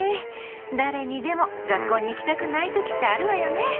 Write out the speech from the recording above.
誰にでも学校に行きたくない時ってあるわよね。